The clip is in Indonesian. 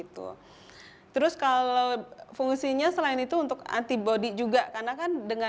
terus kalau fungsinya selain itu untuk antibody juga karena kan dia punya otomatis antipersidangan